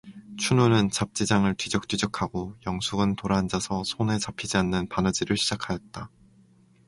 춘우는 잡지장을 뒤적뒤적하고 영숙은 돌아앉아서 손에 잡히지 않는 바느질을 시작 하였다.